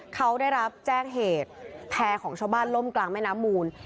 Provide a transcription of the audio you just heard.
เขาได้รับแจ้งเหตุแพร่ของชาวบ้านล่มกลางแม่น้ำมูล